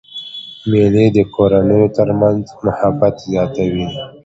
مېلې د کورنیو تر منځ محبت زیاتوي.